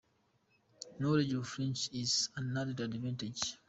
Knowledge of French is an added advantage.